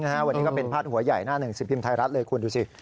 วันนี้ก็เป็นพาดหัวใหญ่หน้าหนึ่งสิบพิมพ์ไทยรัฐเลยคุณดูสิ